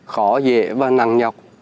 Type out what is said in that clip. khó dễ và nặng nhọc